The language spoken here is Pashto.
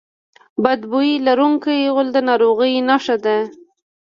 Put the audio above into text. بد بوی لرونکی غول د ناروغۍ نښه ده.